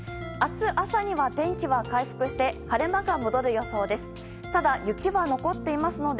明日朝には、天気は回復して晴れ間が戻る予想です。